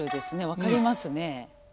分かりますね。